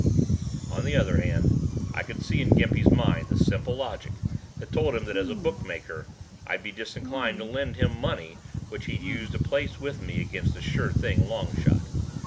On the other hand I could see in Gimpy's mind the simple logic that told him that as a bookmaker I'd be disinclined to lend him money which he'd use to place with me against a sure thing long shot.